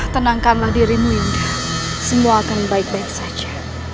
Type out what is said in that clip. tenangkanlah dirimu yang semua akan baik baik saja